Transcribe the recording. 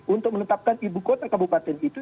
untuk menetapkan ibu kota kabupaten itu